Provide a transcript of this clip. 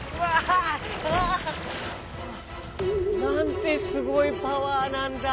ああなんてすごいパワーなんだ。